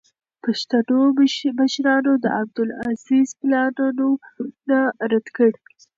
پښتنو مشرانو د عبدالعزیز پلانونه رد کړل.